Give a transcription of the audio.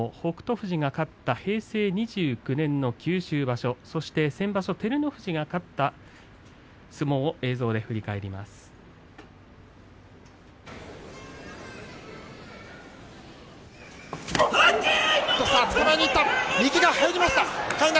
富士が勝った平成２９年九州場所そして先場所、照ノ富士が勝った相撲を映像で振り返ります。